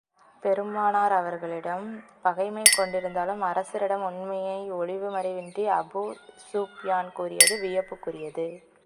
பெருமானார் அவர்களிடம் பகைமை கொண்டிருந்தாலும், அரசரிடம் உண்மையை ஒளிவு மறைவின்றி அபூ ஸுப்யான் கூறியது வியப்புக்குரியது.